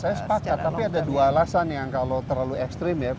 saya sepakat tapi ada dua alasan yang kalau terlalu ekstrim ya